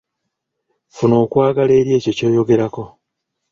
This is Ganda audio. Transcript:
Funa okwagala eri ekyo ky'oyogerako.